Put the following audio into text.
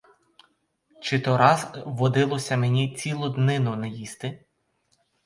Чи то раз водилося мені цілу днину не їсти?